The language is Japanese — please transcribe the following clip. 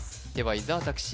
伊沢拓司